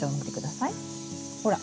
ほら。